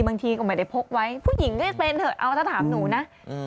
บางทีก็ไม่ได้พกไว้ผู้หญิงก็จะเป็นเถอะเอาถ้าถามหนูนะ